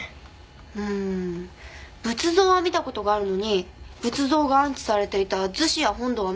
うん仏像は見た事があるのに仏像が安置されていた厨子や本堂は見た事がない。